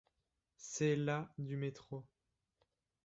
C'est la du métro.